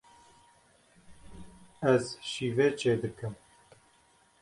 Ez şîvê çêdikim.